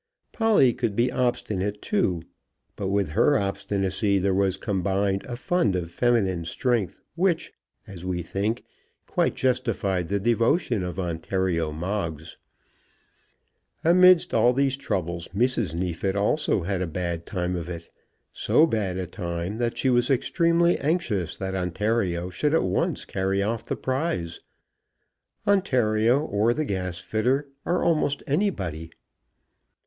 Polly could be obstinate too, but with her obstinacy there was combined a fund of feminine strength which, as we think, quite justified the devotion of Ontario Moggs. Amidst all these troubles Mrs. Neefit also had a bad time of it; so bad a time that she was extremely anxious that Ontario should at once carry off the prize; Ontario, or the gasfitter, or almost anybody.